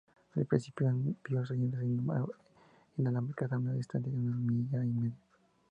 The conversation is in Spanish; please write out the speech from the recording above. Al principio, envió señales inalámbricas a una distancia de una milla y media.